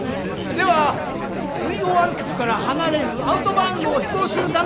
ではＶＯＲ局から離れるアウトバウンドを飛行するためには？